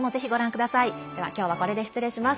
では、今日はこれで失礼します。